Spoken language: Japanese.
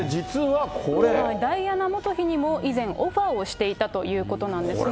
ダイアナ元妃にも以前、オファーをしていたということなんですね。